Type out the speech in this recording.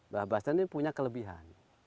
bahas bahasan ini punya kelebihan